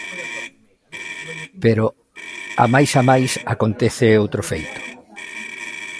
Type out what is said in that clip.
Pero, a máis a máis, acontece outro feito.